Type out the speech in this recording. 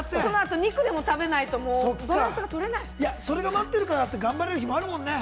そのあと肉でも食それが待ってるからって頑張れる日もあるもんね。